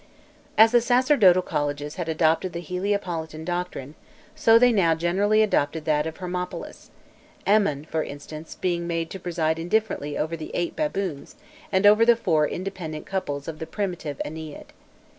As the sacerdotal colleges had adopted the Heliopolitan doctrine, so they now generally adopted that of Hermopolis: Amon, for instance, being made to preside indifferently over the eight baboons and over the four independent couples of the primitive Ennead.